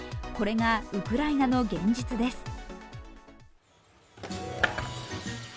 これがウクライナの現実です。